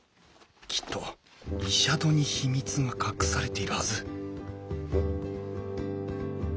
きっとイシャドに秘密が隠されているはず